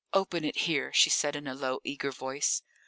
"Open it here," she said in a low, eager voice.